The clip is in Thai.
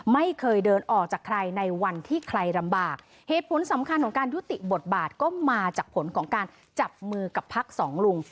ไม่เคยเดินออกจากใครในวันที่ใครลำบากเหตุผลสำคัญของการยุติบทบาทก็มาจากผลของการจับมือกับพักสองลุง